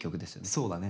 そうだね